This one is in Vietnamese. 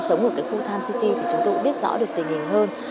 sống ở cái khu tham city thì chúng tôi cũng biết rõ được tình hình hơn